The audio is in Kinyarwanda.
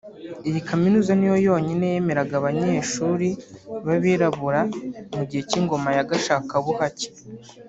Iyi kaminuza ni yo yonyine yemeraga abanyeshuri b’abirabura mu gihe cy’ingoma ya gashakabuhake